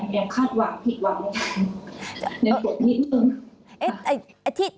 ก็แอบคาดหวังผิดหวังได้ในส่วนนิดหนึ่ง